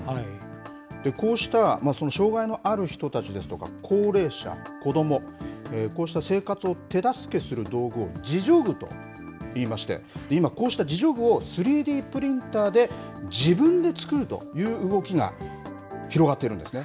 こうした障害のある人たちですとか高齢者、子ども、こうした生活を手助けする道具を自助具といいまして、今、こうした自助具を３Ｄプリンターで自分で作るという動きが広がっているんですね。